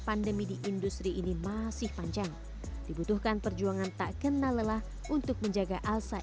pandemi di industri ini masih panjang dibutuhkan perjuangan tak kenal lelah untuk menjaga alsai